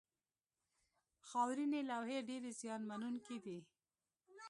خاورینې لوحې ډېرې زیان منونکې دي.